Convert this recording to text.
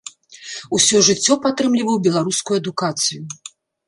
Усё жыццё падтрымліваў беларускую адукацыю.